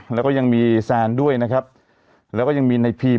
แล้วก็ยังมีแซนด้วยนะครับแล้วก็ยังมีในพีม